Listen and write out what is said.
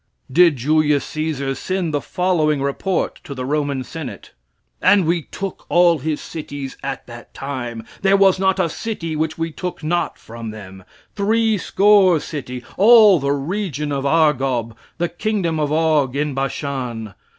Did Julius Caesar send the following report to the Roman Senate? "And we took all his cities at that time, there was not a city which we took not from them, three score city, all the region of Argob, the kingdom of Og, in Bashan.